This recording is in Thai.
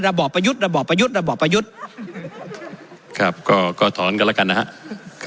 บอบประยุทธ์ระบอบประยุทธ์ระบอบประยุทธ์ครับก็ก็ถอนกันแล้วกันนะครับ